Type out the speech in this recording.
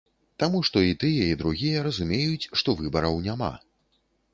Таму што і тыя, і другія разумеюць, што выбараў няма.